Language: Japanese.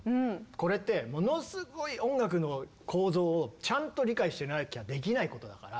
これってものすごい音楽の構造をちゃんと理解してなきゃできないことだから。